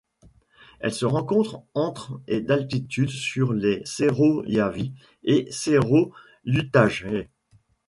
Elle se rencontre entre et d'altitude sur les Cerro Yaví et Cerro Yutajé.